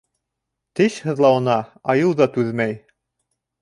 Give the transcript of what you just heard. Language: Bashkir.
Теш һыҙлауына айыу ҙа түҙмәй.